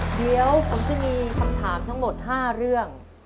เดี๋ยวผมจะมีคำถามทั้งหมด๕เรื่อง